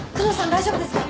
大丈夫ですか？